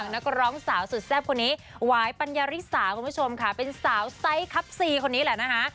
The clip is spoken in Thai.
นักร้องสาวสุดแซ่บคนนี้หวายปัญญาริสาคุณผู้ชมค่ะเป็นสาวไซส์ครับซีคนนี้แหละนะคะ